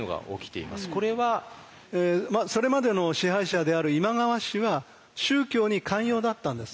これは？それまでの支配者である今川氏は宗教に寛容だったんです。